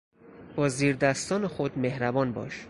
با زیر دستان خود مهربان باش.